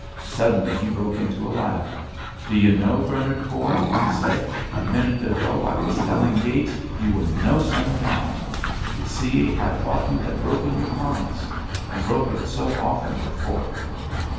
Suddenly he broke into a laugh. "Do you know, Bernard, boy," he said, "a minute ago I was telling Gates you were no son of mine. You see, I thought you had broken your promise; you broke it so often before."